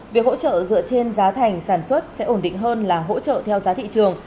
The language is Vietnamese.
việc hỗ trợ dựa trên giá thành sản xuất sẽ ổn định hơn là hỗ trợ theo giá thị trường